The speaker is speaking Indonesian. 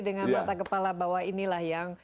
dengan mata kepala bahwa inilah yang